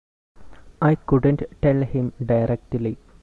I couldn't tell him directly.